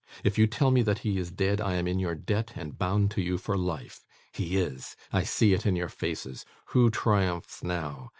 If you tell me that he is dead, I am in your debt and bound to you for life. He is! I see it in your faces. Who triumphs now?